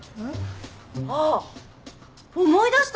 あっ思い出した！